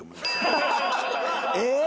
えっ！？